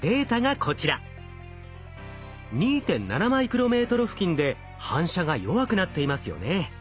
２．７マイクロメートル付近で反射が弱くなっていますよね。